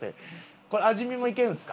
これ味見もいけるんですか？